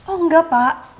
oh enggak pak